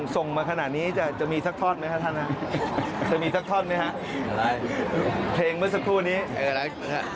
ส่งมาขนาดนี้จะมีสักท่อนไหมครับท่านฮะจะมีสักท่อนไหมฮะเพลงเมื่อสักครู่นี้